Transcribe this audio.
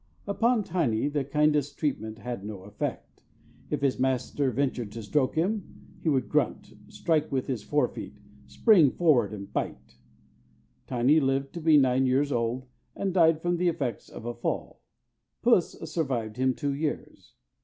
Upon Tiney the kindest treatment had no effect. If his master ventured to stroke him, he would grunt, strike with his fore feet, spring forward, and bite. Tiney lived to be nine years old, and died from the effects of a fall. Puss survived him two years.